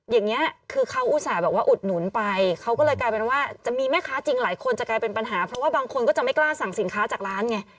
อย่างนี้คือเขาอุตส่าห์แบบว่าอุดหนุนไปเขาก็เลยกลายเป็นว่าจะมีแม่ค้าจริงหลายคนจะกลายเป็นปัญหาเพราะว่าบางคนก็จะไม่กล้าสั่งสินค้าจากร้านไง